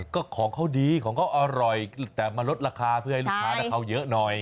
ก็ของเขาดีของเขาอร่อยแต่มาลดราคาเพื่อให้ลูกค้าเขาเยอะหน่อย